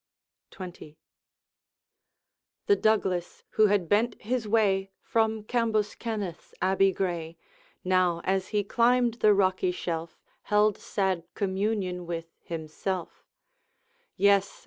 XX. The Douglas, who had bent his way From Cambus kenneth's abbey gray, Now, as he climbed the rocky shelf, Held sad communion with himself: 'Yes!